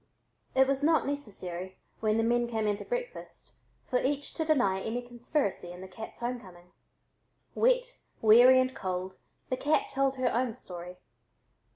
It was not necessary, when the men came in to breakfast, for each to deny any conspiracy in the cat's home coming. Wet, weary and cold, the cat told her own story.